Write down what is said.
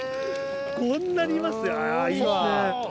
こんなにいます？